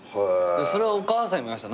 それはお母さんにも言われました。